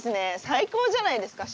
最高じゃないですか。